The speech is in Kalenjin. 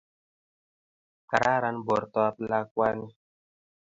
Kararan bortop lakwani